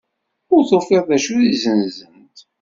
Ur tufiḍ d acu ara zzenzent.